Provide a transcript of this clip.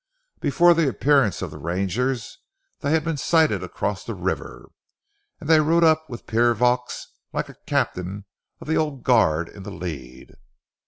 Before the appearance of the rangers, they had been sighted across the river, and they rode up with Pierre Vaux, like a captain of the Old Guard, in the lead.